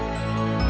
masih ada yang nunggu